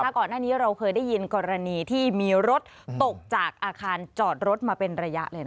ก่อนหน้านี้เราเคยได้ยินกรณีที่มีรถตกจากอาคารจอดรถมาเป็นระยะเลย